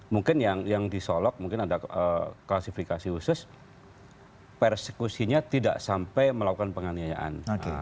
mungkin yang disolok mungkin ada klasifikasi khusus persekusinya tidak sampai melakukan penganiayaan